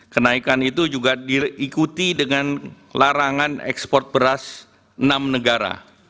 kenaikan itu juga diikuti dengan larangan ekspor beras enam negara